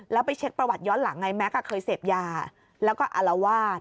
แล้วไปเช็คประวัติย้อนหลังไงแม็กซ์เคยเสพยาแล้วก็อารวาส